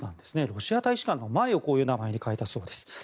ロシア大使館の前をこういう名前に変えたそうです。